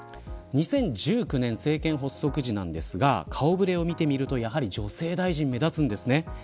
２０１９年政権発足時なんですが顔触れを見てみるとやはり女性大臣が目立ちます。